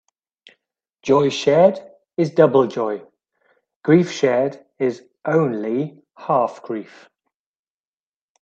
Joy shared is double joy; grief shared is (only) half grief.